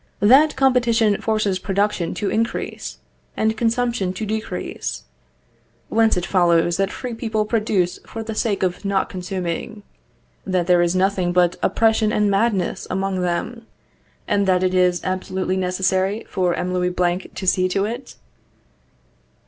That competition forces production to increase, and consumption to decrease_; whence it follows that free people produce for the sake of not consuming; that there is nothing but oppression and madness among them; and that it is absolutely necessary for M. Louis Blanc to see to it?